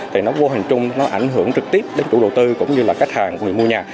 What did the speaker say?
thì nó vô hình chung nó ảnh hưởng trực tiếp đến chủ đầu tư cũng như là khách hàng người mua nhà